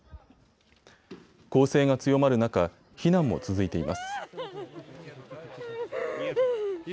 攻勢が強まる中、避難も続いています。